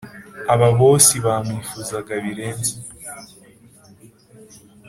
aba bosi bamwifuzaga birenze